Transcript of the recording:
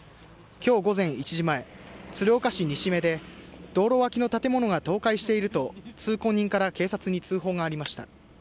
今日午前１時前、鶴岡市西目で道路脇の建物が倒壊していると通行人から警察に通報がありました。